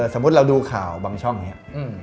สมมุติเราดูข่าวบางช่องอย่างนี้